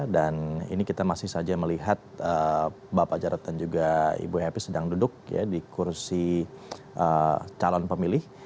dan ini kita masih saja melihat bapak jarod dan juga ibu happy sedang duduk di kursi calon pemilih